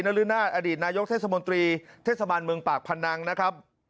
ฤนาศอดีตนายกเทศมนตรีเทศบาลเมืองปากพนังนะครับ